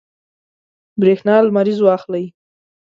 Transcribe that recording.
برېښنا لمریز واخلئ.